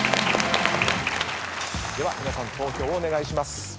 では皆さん投票をお願いします。